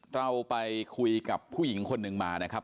เราไปคุยกับผู้หญิงคนหนึ่งมานะครับ